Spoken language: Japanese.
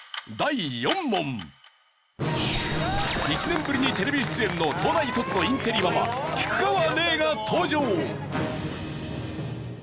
１年ぶりにテレビ出演の東大卒のインテリママ菊川怜が登場。